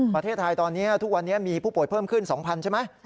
ประเทศไทยตอนนี้ทุกวันนี้มีผู้ป่วยเพิ่มขึ้น๒๐๐ใช่ไหม